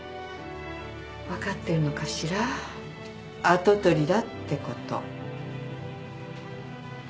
分かってるのかしら跡取りだってこと。